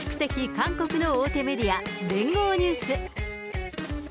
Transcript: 韓国の大手メディア、聯合ニュース。